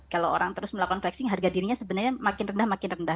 kalau orang terus melakukan flexing harga dirinya sebenarnya makin rendah makin rendah